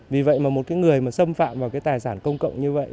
vì vậy mà một cái người mà xâm phạm vào cái tài sản công cộng như vậy